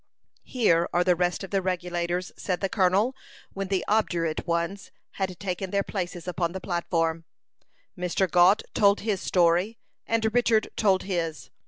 "Here are the rest of the Regulators," said the colonel, when the obdurate ones had taken their places upon the platform. Mr. Gault told his story, and Richard told his.